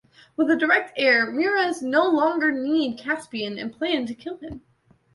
With a direct heir, Miraz no longer needs Caspian, and planned to kill him.